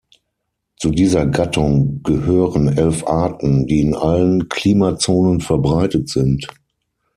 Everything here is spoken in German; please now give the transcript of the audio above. Zu dieser Gattung gehören elf Arten, die in allen Klimazonen verbreitet sind.